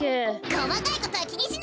こまかいことはきにしない！